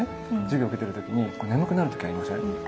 授業受けてる時に眠くなる時ありません？